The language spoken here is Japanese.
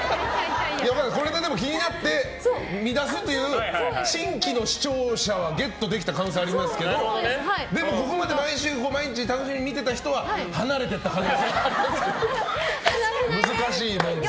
これで気になって見出すという新規の視聴者はゲットできた可能性ありますけどでも、ここまで毎週毎日楽しみに見ていた人は離れないで！